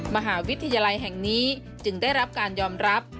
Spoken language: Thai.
มหาวิทยาลัยแห่งนี้จึงได้รับการยอมรับ